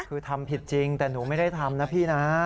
คือทำผิดจริงแต่หนูไม่ได้ทำนะพี่นะ